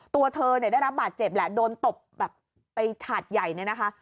ตัวเธอเนี่ยได้รับบาดเจ็บแหละโดนตบแบบไปฉาดใหญ่เนี่ยนะคะ